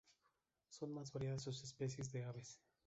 Son más variadas sus especies de aves.